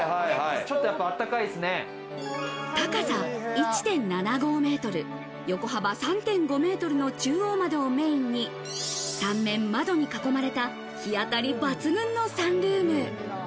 高さ１．７５メートル、横幅３．５メートルの中央窓をメインに、３面窓に囲まれた、日当たり抜群のサンルーム。